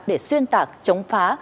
để xuyên tạc chống phá